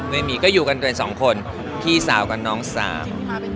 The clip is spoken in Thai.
ไม่มีก็อยู่กันโดยสองคนพี่สาวกับน้องสาม